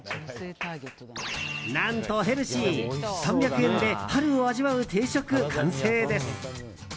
何とヘルシー、３００円で春を味わう定食、完成です。